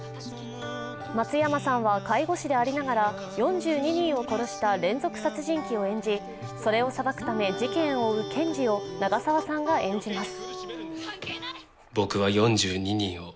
松山さんは、介護士でありながら４２人を殺した連続殺人鬼を演じそれを裁くため事件を追う検事を長澤さんが演じます。